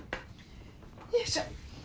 よいしょ。